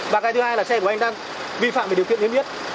và cái thứ hai là xe của anh đang vi phạm về điều kiện niêm yết